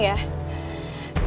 aduh gue bingung ya